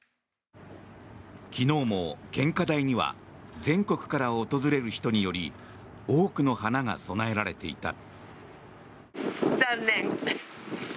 昨日も献花台には全国から訪れる人により多くの花が供えられていた。